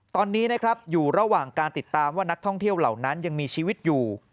ตอนนี้นะครับอยู่ระหว่างการติดตามว่านักท่องเที่ยวเหล่านั้นยังมีชีวิตอยู่